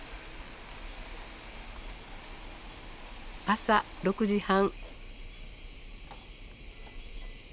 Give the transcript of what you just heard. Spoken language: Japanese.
朝６時半。